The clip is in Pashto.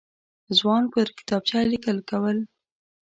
ځوان پر کتابچه لیکل کول.